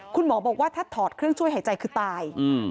คุณหมอบอกว่าถ้าถอดเครื่องช่วยหายใจคือตาย